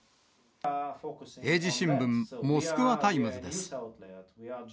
英字新聞、モスクワタイムズです。